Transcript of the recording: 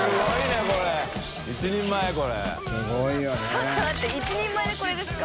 ちょっと待って１人前でこれですか？